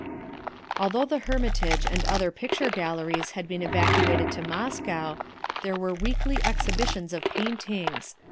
Although the Hermitage and other picture galleries had been evacuated to Moscow, there were weekly exhibitions of paintings.